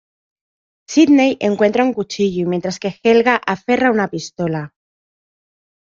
Sidney encuentra un cuchillo mientras que Helga aferra una pistola.